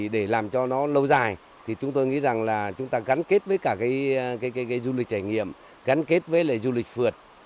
để làm cho nó lâu dài thì chúng tôi nghĩ rằng là chúng ta gắn kết với cả cái du lịch trải nghiệm gắn kết với du lịch phượt